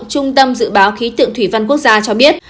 trung tâm dự báo khí tượng thủy văn quốc gia cho biết